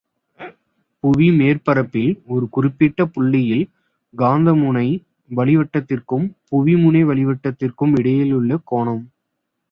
புவிமேற்பரப்பில் ஒரு குறிப்பிட்ட புள்ளியில் காந்த முனை வழிவட்டத்திற்கும் புவிமுனை வழிவட்டத்திற்கும் இடையிலுள்ள கோணம்.